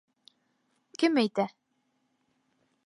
— Кем әйтә?